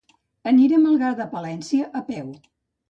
Anirem a Algar de Palància a peu.